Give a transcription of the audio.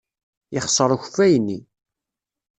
Yexṣer ukeffay-nni.